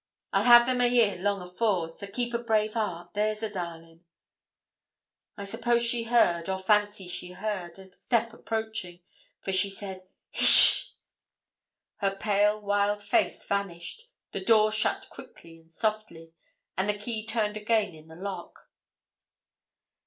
I'll ha'e them a' here long afore; so keep a brave heart there's a darling.' I suppose she heard, or fancied she heard, a step approaching, for she said 'Hish!' Her pale wild face vanished, the door shut quickly and softly, and the key turned again in the lock.